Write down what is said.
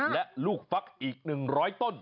และลูกฟักอีก๑๐๐ต้น